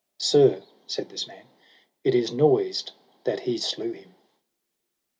Sir, said this man, it is noised that he slew him.